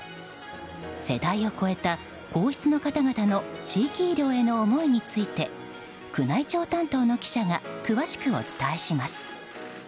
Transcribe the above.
世代を超えた皇室の方々の地域医療への思いについて宮内庁担当の記者が詳しくお伝えします。